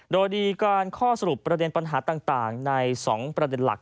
โดยดีการข้อสรุปประเด็นปัญหาต่างใน๒ประเด็นหลัก